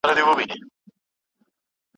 استاد په څېړنه کي د شاګرد لارښوونه کوي.